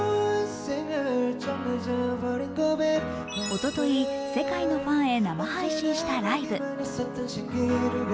おととい、世界のファンヘ生配信したライブ。